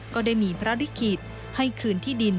ก็ได้มีพระลิขิตให้คืนที่ดิน